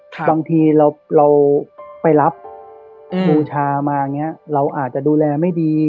บางทีเราไปรับบูชามาอย่างนี้เราอาจจะดูแลไม่ดี